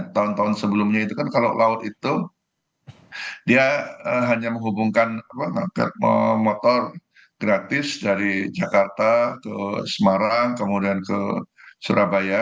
tahun tahun sebelumnya itu kan kalau laut itu dia hanya menghubungkan motor gratis dari jakarta ke semarang kemudian ke surabaya